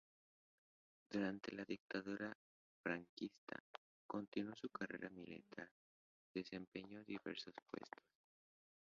Durante la Dictadura franquista continuó su carrera militar, desempeñando diversos puestos.